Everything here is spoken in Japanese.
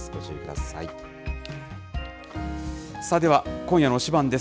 さあでは、今夜の推しバン！です。